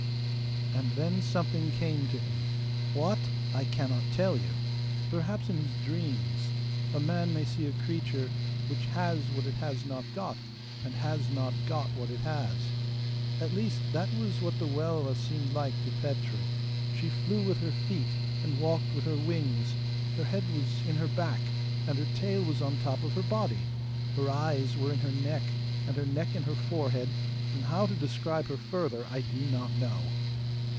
And then something came to him WHAT I cannot tell you. Perhaps, in his dreams, a man may see a creature which has what it has not got, and has not got what it has. At least, that was what the Welwa seemed like to Petru. She flew with her feet, and walked with her wings; her head was in her back, and her tail was on top of her body; her eyes were in her neck, and her neck in her forehead, and how to describe her further I do not know.